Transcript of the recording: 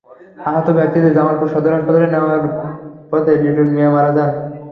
আহত ব্যক্তিদের জামালপুর সদর হাসপাতালে নেওয়ার পথে লিটন মিয়া মারা যান।